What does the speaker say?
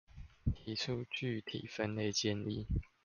提出具體分類建議